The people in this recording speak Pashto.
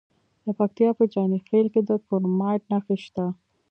د پکتیا په جاني خیل کې د کرومایټ نښې شته.